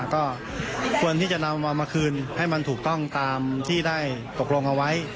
ก็ควรที่จะนำเอามาคืนให้มันถูกต้องตามที่ได้ตกลงเอาไว้